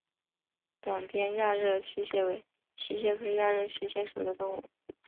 短鞭亚热溪蟹为溪蟹科亚热溪蟹属的动物。